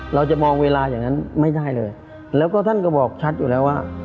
เราจะมองเวลาอย่างนั้นไม่ได้เลยแล้วก็ท่านก็บอกชัดอยู่แล้วว่า